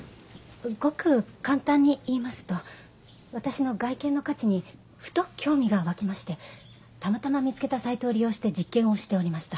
ごく簡単に言いますと私の外見の価値にふと興味が湧きましてたまたま見つけたサイトを利用して実験をしておりました。